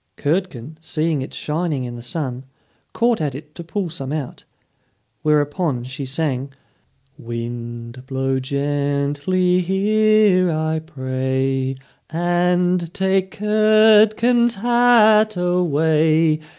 Curdken, seeing it shining in the sun, caught at it to pull some out. Whereupon she sang: "Wind, blow gently here, I pray, And take Curdken's hat away.